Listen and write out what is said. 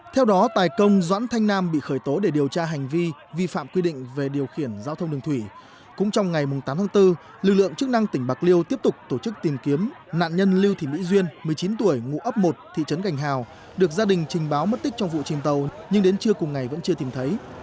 theo đó tài công doãn thanh nam bị khởi tố để điều tra hành vi vi phạm quy định về điều khiển giao thông đường thủy cũng trong ngày tám tháng bốn lực lượng chức năng tỉnh bạc liêu tiếp tục tổ chức tìm kiếm nạn nhân lưu thị mỹ duyên một mươi chín tuổi ngụ ấp một thị trấn gành hào được gia đình trình báo mất tích trong vụ chìm tàu nhưng đến trưa cùng ngày vẫn chưa tìm thấy